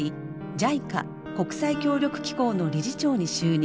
ＪＩＣＡ国際協力機構の理事長に就任。